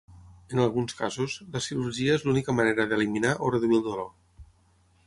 En alguns casos, la cirurgia és l'única manera d'eliminar o reduir el dolor.